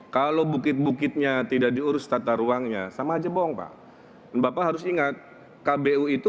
kalau bukit bukitnya tidak diurus tata ruangnya sama aja bohong pak bapak harus ingat kbu itu